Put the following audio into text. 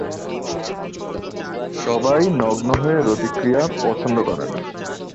সবাই নগ্ন হয়ে রতিক্রিয়া পছন্দ করে না।